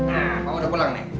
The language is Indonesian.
nah kamu udah pulang nih